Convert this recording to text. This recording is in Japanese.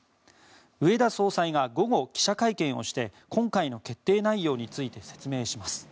植田総裁が午後、記者会見をして今回の決定内容について説明します。